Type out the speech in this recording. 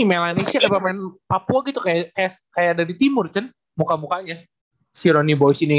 ini melanix ini ada pemain papua gitu kayak ada di timur cet muka mukanya si ronny boyce ini